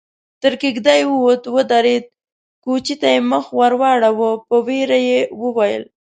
تر کېږدۍ ووت، ودرېد، کوچي ته يې مخ ور واړاوه، په وېره يې وويل: